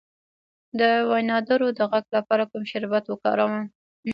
د وینادرو د غږ لپاره کوم شربت وکاروم؟